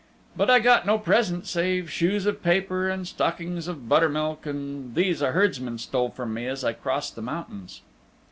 But I got no present save shoes of paper and stockings of butter milk and these a herdsman stole from me as I crossed the mountains.